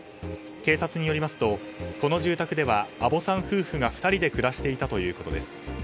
警察によりますとこの住宅では阿保さん夫婦が２人で暮らしていたということです。